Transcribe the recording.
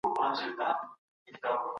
ورتـــه ډالۍ كړله